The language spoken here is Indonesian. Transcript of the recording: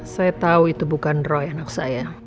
saya tahu itu bukan roy anak saya